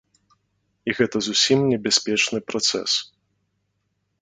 І гэта зусім не бяспечны працэс.